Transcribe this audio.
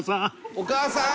お母さーん！